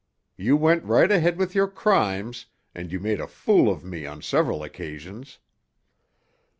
You went right ahead with your crimes, and you made a fool of me on several occasions.